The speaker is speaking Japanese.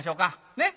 ねっ？